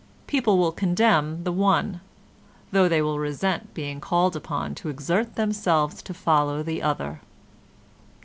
People will condemn the one, though they will resent being called upon to exert themselves to follow the other.